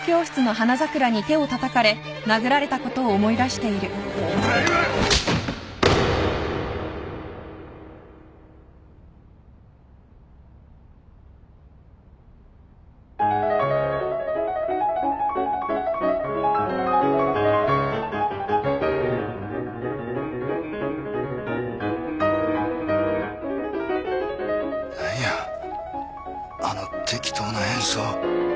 あの適当な演奏。